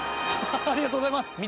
ありがとうございます。